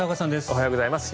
おはようございます。